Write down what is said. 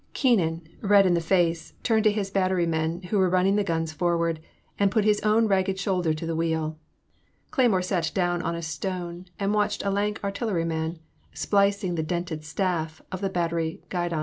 Keenan, red in the In the Name of the Most High. 199 face, turned to his battery men who were running the guns forward, and put his own ragged shoul der to the wheel. Clejrmore sat down on a stone and watched a lank artilleryman splicing the dented staff of the battery guidon.